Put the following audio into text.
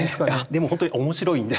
でも本当に面白いんです。